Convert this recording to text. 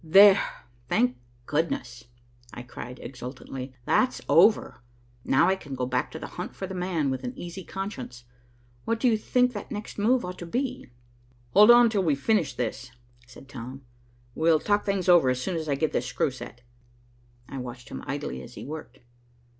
"There, thank goodness," I cried exultantly, "that's over. Now I can go back to the hunt for 'the man' with an easy conscience. What do you think that next move ought to be?" "Hold on, till we finish this," said Tom. "We'll talk things over as soon as I get this screw set." I watched him idly as he worked.